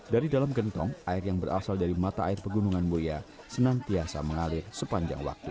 dari dalam gentong air yang berasal dari mata air pegunungan buaya senantiasa mengalir sepanjang waktu